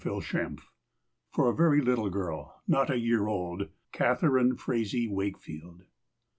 Sunshine For a Very Little Girl, Not a Year Old. Catharine Frazee Wakefield.